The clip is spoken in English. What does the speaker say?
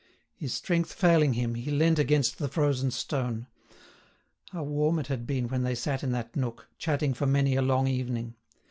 His strength failing him, he leant against the frozen stone. How warm it had been when they sat in that nook, chatting for many a long evening!